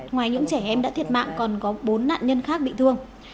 ngoài những trẻ em đã thiệt mạng còn có bốn nạn nhân khác bị thương